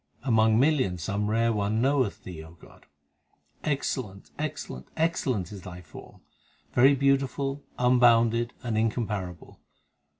Among millions some rare one knoweth Thee, God ; Excellent, excellent, excellent is Thy form, Very beautiful, unbounded, and incomparable.